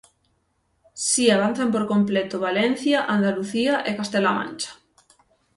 Si avanzan por completo Valencia, Andalucía e Castela A Mancha.